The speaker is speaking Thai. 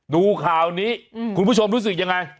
ดูข่าวนี้คุณผู้ชมรู้สึกยังไง